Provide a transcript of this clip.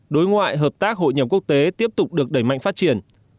đối ngoại hợp tác hội nhập quốc tế tiếp tục được đẩy mạnh phát triển